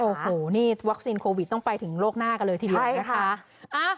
โอ้โหนี่วัคซีนโควิดต้องไปถึงโลกหน้ากันเลยทีเดียวนะคะ